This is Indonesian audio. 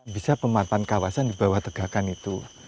bisa pemantapan kawasan di bawah tegakan itu